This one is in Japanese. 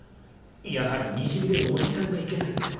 やはりにじみ出るおじさんがいけないのでは。